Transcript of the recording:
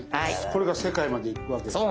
これが世界までいくわけですか？